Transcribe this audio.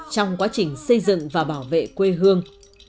trong quá trình xây dựng và bảo vệ quê hương